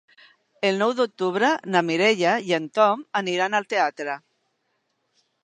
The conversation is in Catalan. El nou d'octubre na Mireia i en Tom aniran al teatre.